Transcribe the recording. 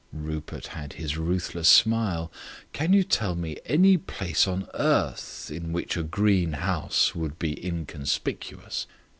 Rupert had his ruthless smile. "Can you tell me any place on earth in which a green house would be inconspicuous?"